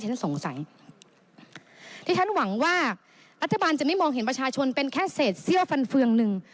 ฉันสงสัยที่ฉันหวังว่ารัฐบาลจะไม่มองเห็นประชาชนเป็นแค่เศษเซี่ยวฟันเฟืองหนึ่ง